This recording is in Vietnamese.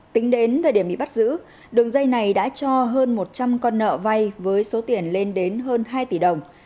tính đến thời điểm bị bắt giữ đường dây này đã cho hơn một trăm linh con nợ vay với số tiền lên đến hơn hai tỷ đồng